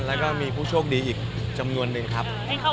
แล้วก็มีผู้โชคดีอีกจำนวนนึงครับ